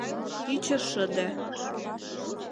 Ӱчӧ шыде.